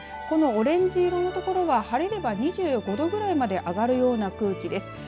このオレンジ色の所は晴れれば２５度ぐらいまで上がるような空気です。